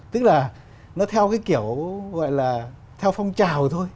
tức là nó theo cái kiểu gọi là theo phong trào thôi